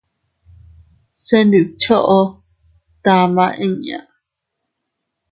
Se ntidchoʼo tama inña.